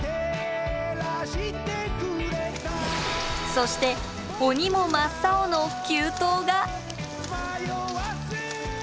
そして鬼も真っ青の急登が。